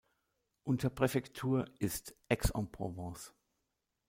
Unterpräfektur ist Aix-en-Provence.